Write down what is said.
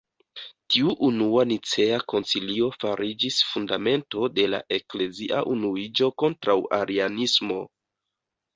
Tiu unua Nicea koncilio fariĝis fundamento de la eklezia unuiĝo kontraŭ arianismo.